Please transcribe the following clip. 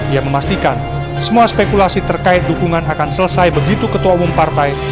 ia memastikan semua spekulasi terkait dukungan akan selesai begitu ketua umum partai